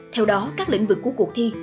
theo đó các lĩnh vực của cuộc thi